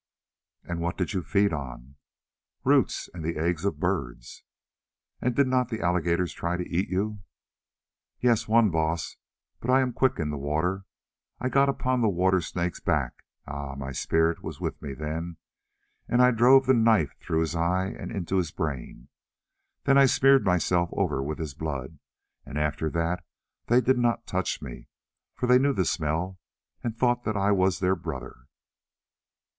"And what did you feed on?" "Roots and the eggs of birds." "And did not the alligators try to eat you?" "Yes, one, Baas, but I am quick in the water. I got upon the water snake's back—ah! my Spirit was with me then—and I drove the knife through his eye into his brain. Then I smeared myself over with his blood, and after that they did not touch me, for they knew the smell and thought that I was their brother."